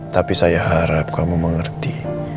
tapi saya harap kamu mengerti